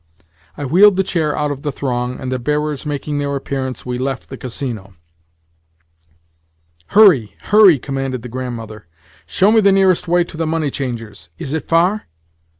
I wheeled the chair out of the throng, and, the bearers making their appearance, we left the Casino. "Hurry, hurry!" commanded the Grandmother. "Show me the nearest way to the money changer's. Is it far?"